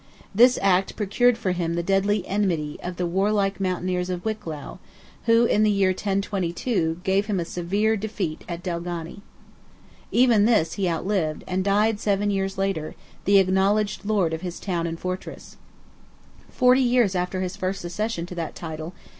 This act procured for him the deadly enmity of the warlike mountaineers of Wicklow, who, in the year 1022, gave him a severe defeat at Delgany. Even this he outlived, and died seven years later, the acknowledged lord of his town and fortress, forty years after his first accession to that title.